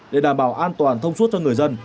để đảm bảo an toàn thông suốt cho người dân